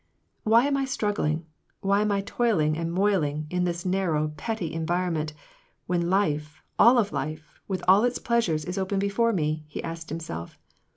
"Why am I struggling, why am I toiling and moiling in this narrow, petty environment, when life, all of life, with all its pleasures, is open before me ?" he asked himself.